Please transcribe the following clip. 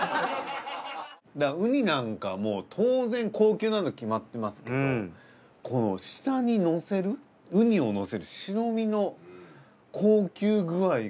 うになんかもう当然高級なの決まってますけどこの下にのせるうにをのせる白身の高級具合が。